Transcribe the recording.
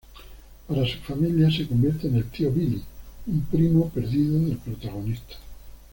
Para su familia, se convierte en el "tío Billy", un primo perdido del protagonista.